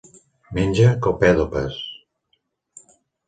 Menja copèpodes.